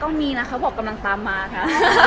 ก็มีนะเขากำลังตามมาค่ะ